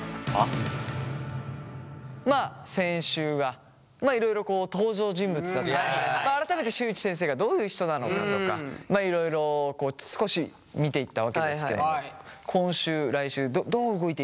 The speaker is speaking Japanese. まあ先週はまあいろいろこう登場人物だったり改めて新内先生がどういう人なのかとかまあいろいろこう少し見ていったわけですけれども今週来週どう動いていくのか？